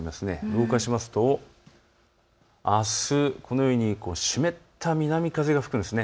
動かしますと、あす、このように湿った南風が吹くんです。